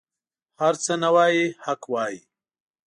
هر څه نه وايي حق وايي.